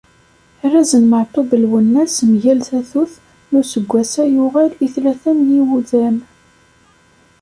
Arraz n Maɛtub Lwennas mgal tatut n useggas-a yuɣal i tlata n yiwudam.